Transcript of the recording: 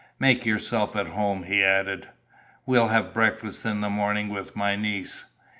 "Make yourself at home," he added. "We'll have breakfast in the morning with my niece."